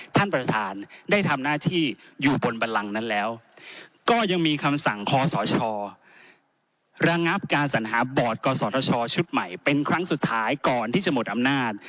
ท่านประธานได้ทำหน้าที่อยู่บนบันลังนั้นแล้วก็ยังมีคำสั่งคอสชระงับการสัญหาบอร์ดกศธชชุดใหม่เป็นครั้งสุดท้ายก่อนที่จะหมดอำนาจ